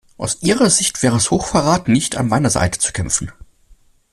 Aus ihrer Sicht wäre es Hochverrat, nicht an meiner Seite zu kämpfen.